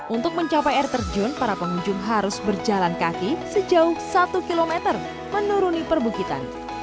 untuk mencapai air terjun para pengunjung harus berjalan kaki sejauh satu km menuruni perbukitan